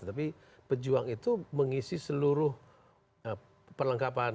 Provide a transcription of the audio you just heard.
tapi pejuang itu mengisi seluruh perlengkapan